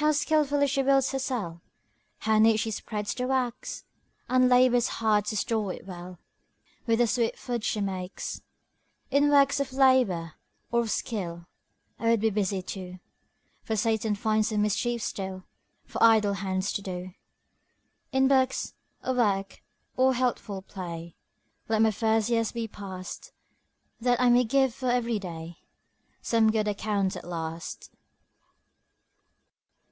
How skillfully she builds her cell! How neat she spreads the wax! And labours hard to store it well With the sweet food she makes. In works of labour or of skill, I would be busy too; For Satan finds some mischief still For idle hands to do. In books, or work, or healthful play, Let my first years be passed, That I may give for every day Some good account at last.